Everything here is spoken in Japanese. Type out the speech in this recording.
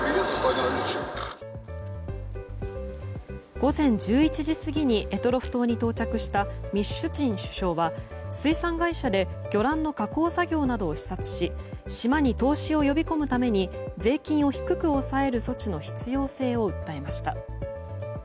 午前１１時過ぎに択捉島に到着したミシュスチン首相は水産会社で魚卵の加工作業などを視察し島に投資を呼び込むために税金を低く抑える措置の必要性を訴えました。